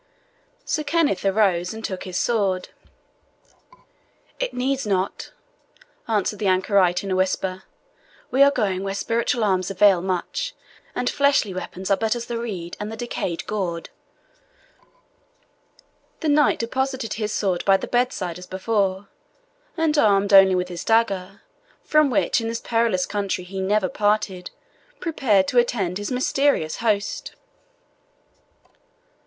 Sir Kenneth arose, and took his sword. "It needs not," answered the anchorite, in a whisper; "we are going where spiritual arms avail much, and fleshly weapons are but as the reed and the decayed gourd." The knight deposited his sword by the bedside as before, and, armed only with his dagger, from which in this perilous country he never parted, prepared to attend his mysterious host.